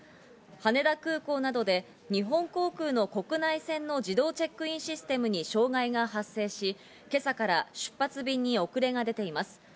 羽田空港などで日本航空の国内線の自動チェックインシステムに障害が発生し、今朝から出発便に遅れが出ています。